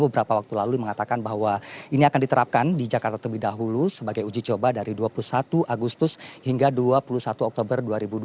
beberapa waktu lalu mengatakan bahwa ini akan diterapkan di jakarta terlebih dahulu sebagai uji coba dari dua puluh satu agustus hingga dua puluh satu oktober dua ribu dua puluh